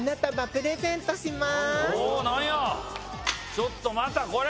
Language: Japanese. ちょっとまたこれ！